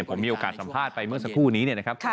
ผมมีโอกาสสัมภาษณ์ไปเมื่อสักครู่นี้เนี่ยนะครับ